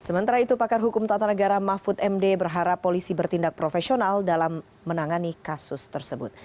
sementara itu pakar hukum tata negara mahfud md berharap polisi bertindak profesional dalam menangani kasus tersebut